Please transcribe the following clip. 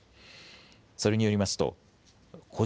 それによりますと個人